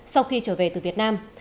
sau khi trở về từ việt nam